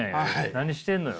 何してんのよ。